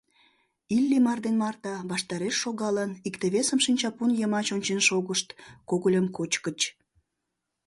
Иллимар ден Марта, ваштареш шогалын, икте-весым шинчапун йымач ончен шогышт, когыльым кочкыч.